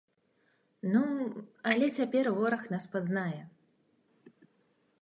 Ну, але цяпер вораг нас пазнае!